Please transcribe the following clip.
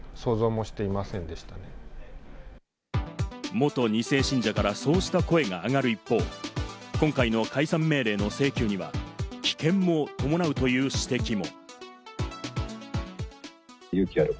元２世信者からそうした声があがる一方、今回の解散命令の請求には危険も伴うという指摘も。